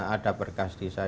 ada berkas di saya